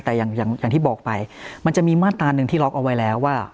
แต่อย่างที่บอกไปมันจะมีมาตราหนึ่งที่ล็อกเอาไว้แล้วว่า